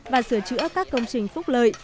và sửa chữa các công trình phúc lợi